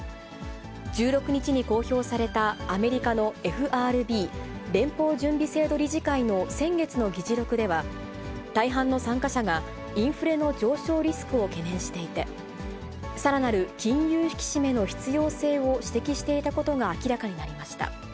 １６日に公表されたアメリカのＦＲＢ・連邦準備制度理事会の先月の議事録では、大半の参加者がインフレの上昇リスクを懸念していて、さらなる金融引き締めの必要性を指摘していたことが明らかになりました。